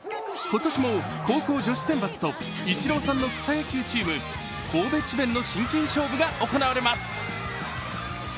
今年も高校女子選抜とイチローさんの草野球チームＫＯＢＥＣＨＩＢＥＮの真剣勝負が行われます。